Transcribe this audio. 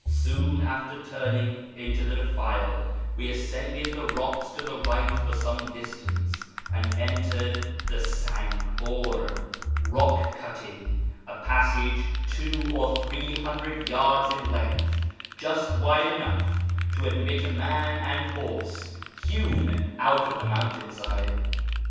Soon after turning into the defile we ascended the rocks to the right for some distance, and entered the Sang hur (" Eock cutting "), a passage two or three hundred yards in length, just wide enough to admit a man and horse, hewn out of the mountain side.